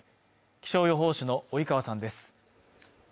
気象予報士の及川さんです